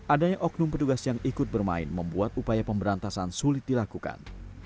adanya oknum petugas yang ikut bermain membuat upaya pemberantasan sulit dilakukan